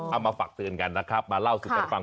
มาฝากเตือนกันนะครับมาเล่าสู่กันฟัง